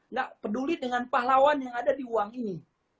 nggak peduli dengan pahlawan yang ada di uang ini